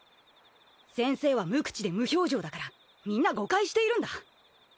先生は無口で無表情だからみんな誤解しているんだ。